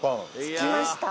着きました。